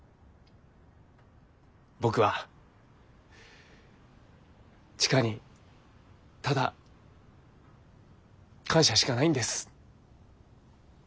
僕は千佳にただ感謝しかないんです。